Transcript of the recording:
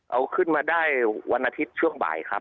เอาขึ้นมาได้วันอาทิตย์ช่วงบ่ายครับ